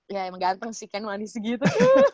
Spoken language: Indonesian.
ya emang ganteng sih kan manis gitu